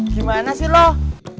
gimana sih loh